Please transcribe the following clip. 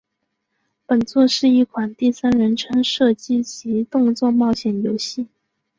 本作是一款第三人称射击及动作冒险游戏。